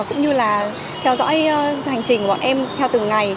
cũng như là theo dõi hành trình của bọn em theo từng ngày